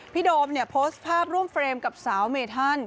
โดมเนี่ยโพสต์ภาพร่วมเฟรมกับสาวเมธัน